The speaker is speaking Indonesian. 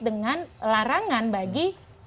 dengan larangan bagi